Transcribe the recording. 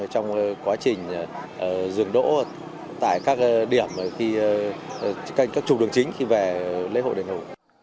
trong quá trình dường đỗ tại các điểm các trục đường chính khi về lễ hội đền hồ